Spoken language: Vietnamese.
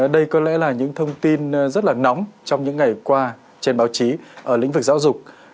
đây có lẽ là những thông tin rất là nóng trong những ngày qua trên báo chí ở lĩnh vực giáo dục